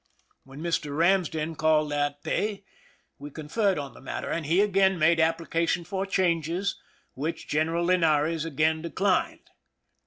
When Mr. Ramsden called that 250 PEISON LIFE THE SIEGE day, we conferred on the matter, and he again made application for changes, which Greneral Linares again declined.